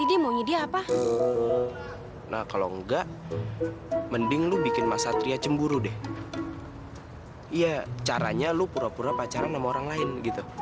iya caranya lo pura pura pacaran sama orang lain gitu